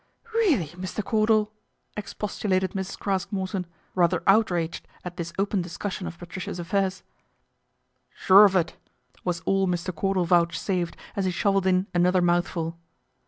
" Really, Mr. Cordal !" expostulated Mrs. Craske Morton, rather outraged at this open discussion of Patricia's affairs. " Sure of it/' was all Mr. Cordal vouchsafed as he shovelled in another mouthful.